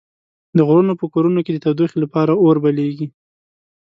د غرونو په کورونو کې د تودوخې لپاره اور بليږي.